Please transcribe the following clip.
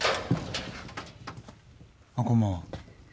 あこんばんは。